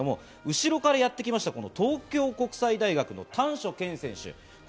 後ろからやってきた、東京国際大学の丹所健選手。